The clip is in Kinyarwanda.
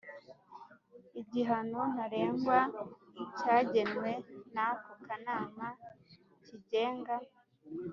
igihano ntarengwa cyagenwe n Ako Kanama kigenga